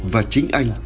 và chính anh